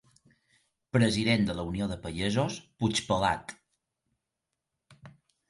>>President de la Unió de Pagesos: Puigpelat.